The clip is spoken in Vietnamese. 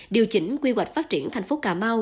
điều chỉnh quy hoạch phát triển thành phố cà mau